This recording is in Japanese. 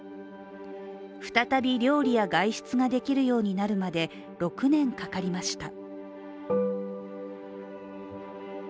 再び料理や外出ができるようになるまで６年かかりました。